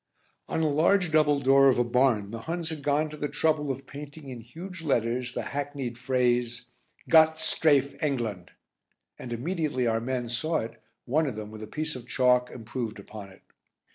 On a large double door of a barn the Huns had gone to the trouble of painting in huge letters the hackneyed phrase "Gott strafe England," and immediately our men saw it one of them, with a piece of chalk, improved upon it.